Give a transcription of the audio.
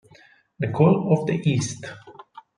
The Call of the East